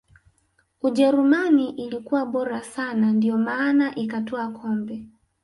ujerumani ilikuwa bora sana ndiyo maana ikatwaa kombe